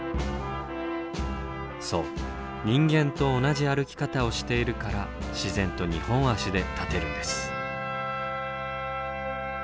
そう人間と同じ歩き方をしているから自然と二本足で立てるんです。